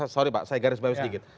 sorry pak saya garis bawah sedikit